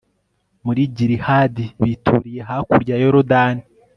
muri gilihadi bituriye hakurya ya yorudani